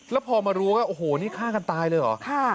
แล้วพอมารู้ว่าโอ้โหนี่ฆ่ากันตายเลยเหรอ